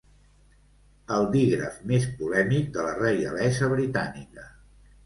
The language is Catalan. El dígraf més polèmic de la reialesa britànica.